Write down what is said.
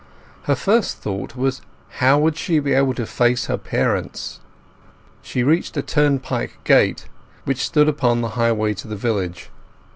Her first thought was how would she be able to face her parents? She reached a turnpike gate which stood upon the highway to the village.